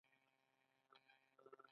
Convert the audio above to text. آیا امبولانس خدمات شته؟